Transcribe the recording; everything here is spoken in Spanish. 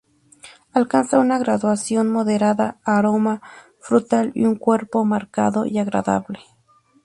Alcanza una graduación moderada, aroma frutal y un cuerpo marcado y agradable.